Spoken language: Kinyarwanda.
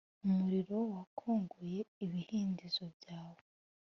umuriro wakongoye ibihindizo byawe